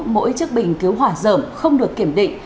mỗi chiếc bình cứu hỏa dởm không được kiểm định